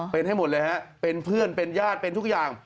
เป็นให้หมดเลยฮะเป็นเพื่อนเป็นญาติเป็นทุกอย่าง